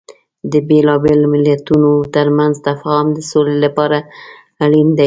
د بیلابیلو مليتونو ترمنځ تفاهم د سولې لپاره اړین دی.